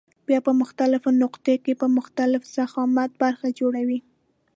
بیا په مختلفو نقطو کې په مختلف ضخامت برخه جوړوي.